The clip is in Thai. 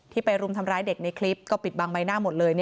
ไปรุมทำร้ายเด็กในคลิปก็ปิดบังใบหน้าหมดเลย